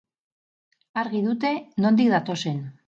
Argi dute nondik datozen.